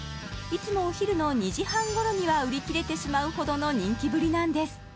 いつもお昼の２時半ごろには売り切れてしまうほどの人気ぶりなんです